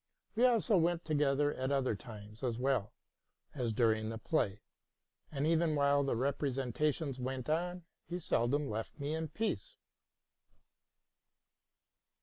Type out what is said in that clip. We also went together at other times, as well as during the play; and, even while the representations went on, he seldom left me in peace.